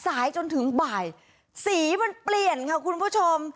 สายจนถึงบ่ายสีมันเปลี่ยนค่ะคุณผู้ชม